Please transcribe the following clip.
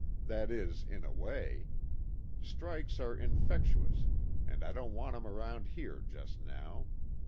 That is, in a way. Strikes are infectious, and I don't want 'em around here just now.